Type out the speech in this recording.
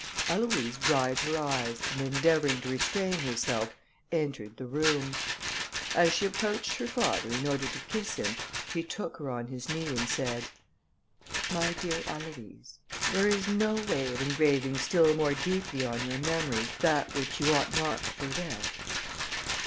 Aloïse dried her eyes, and endeavouring to restrain herself, entered the room. As she approached her father, in order to kiss him, he took her on his knee, and said, "My dear Aloïse, is there no way of engraving still more deeply on your memory, that which you ought not to forget?"